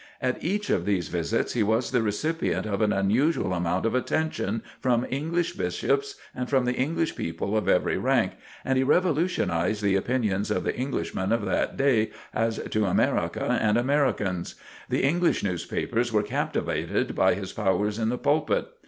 At each of these visits he was the recipient of an unusual amount of attention from English Bishops and from the English people of every rank and he revolutionized the opinions of the Englishmen of that day as to America and Americans. The English newspapers were captivated by his powers in the pulpit.